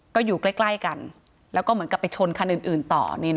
ก็อยู่ใกล้กันแล้วก็เหมือนกับไปชนคันอื่นต่อ